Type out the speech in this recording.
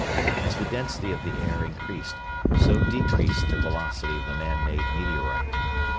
As the density of the air increased so decreased the velocity of the man made meteorite.